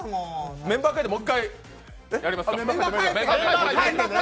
メンバーかえてもう１回やりますか？